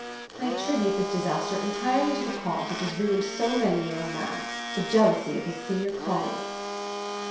I attribute this disaster entirely to the cause which has ruined so many a young man, the jealousy of his senior colleague."